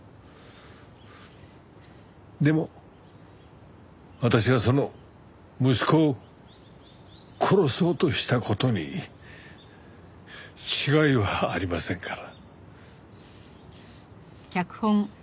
でも私がその息子を殺そうとした事に違いはありませんから。